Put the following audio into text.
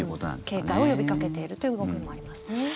警戒を呼びかけているという動きもありますね。